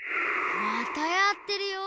またやってるよ。